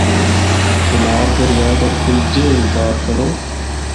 کنہار دریا دا پُل جِیّاں ہی پار کرو۔